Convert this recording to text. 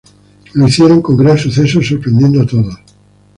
Lo hicieron con gran suceso, sorprendiendo a todos.